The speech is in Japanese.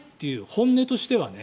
本音としてはね。